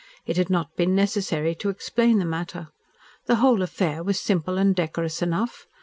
It had not been necessary to explain the matter. The whole affair was simple and decorous enough.